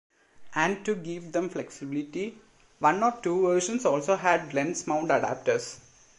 And to give them flexibility, one or two versions also had lens mount adapters.